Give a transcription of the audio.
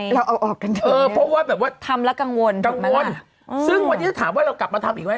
เพราะว่าแบบว่าทำแล้วกังวลหรือบ้างละซึ่งวันนี้ถามว่าเรากลับมาทำอีกไว้